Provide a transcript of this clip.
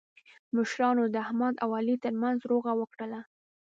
مشرانو د احمد او علي ترمنځ روغه وکړله.